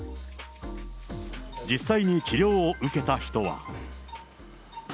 実際に治療を受けた人は。